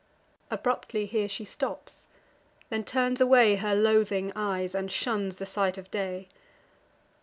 Abruptly here she stops; then turns away Her loathing eyes, and shuns the sight of day.